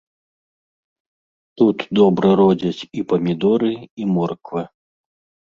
Тут добра родзяць і памідоры, і морква.